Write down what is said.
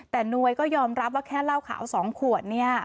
แต่หน้วยก็ยอมรับว่าแค่เล่าข่าว๒ขวด